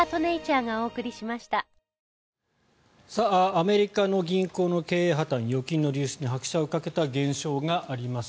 アメリカの銀行の経営破たん預金の流出に拍車をかけた現象があります。